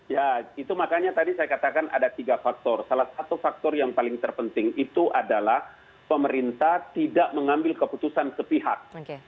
ya itu makanya tadi saya katakan ada tiga faktor salah satu faktor yang paling terpenting itu adalah pemerintah tidak mengambil keputusan sepihak